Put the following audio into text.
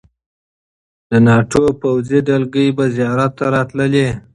د ناټو پوځي دلګۍ به زیارت ته راتللې.